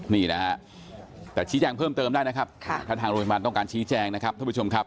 นี่นะฮะแต่ชี้แจงเพิ่มเติมได้นะครับถ้าทางโรงพยาบาลต้องการชี้แจงนะครับท่านผู้ชมครับ